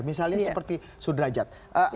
misalnya seperti sudrajat